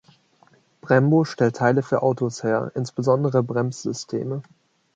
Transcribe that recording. Brembo stellt Teile für Autos her, insbesondere Bremssysteme.